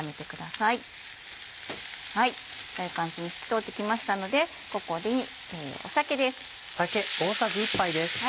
こういう感じに透き通ってきましたのでここに酒です。